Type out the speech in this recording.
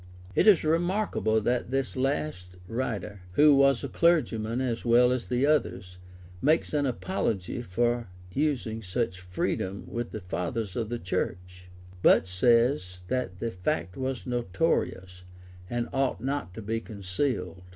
] It is remarkable that this last writer, who was a clergyman as well as the others, makes an apology for using such freedom with the fathers of the church; but says, that the fact was notorious, and ought not to be concealed.